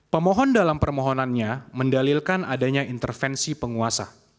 pemohon dalam permohonannya mendalilkan adanya intervensi penguasa